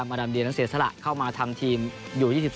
มาดามเดียนั้นเสียสละเข้ามาทำทีมอยู่๒๓